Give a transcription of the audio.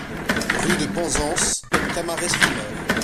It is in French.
Rue de Penzance, Camaret-sur-Mer